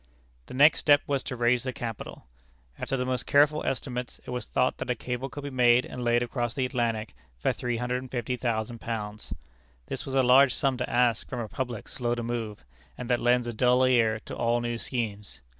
The next step was to raise the capital. After the most careful estimates, it was thought that a cable could be made and laid across the Atlantic for £350,000. This was a large sum to ask from a public slow to move, and that lends a dull ear to all new schemes.